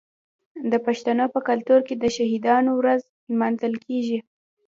د پښتنو په کلتور کې د شهیدانو ورځ لمانځل کیږي.